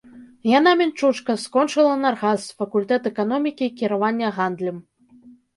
Яна мінчучка, скончыла наргас, факультэт эканомікі і кіравання гандлем.